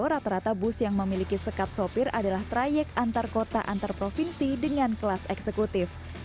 rata rata bus yang memiliki sekat sopir adalah trayek antar kota antar provinsi dengan kelas eksekutif